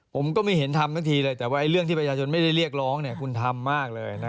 ผมก็ไม่เห็นทำทั้งทีเลยแต่ว่าเรื่องที่ประชาชนไม่ได้เรียกร้องเนี่ยคุณทำมากเลยนะ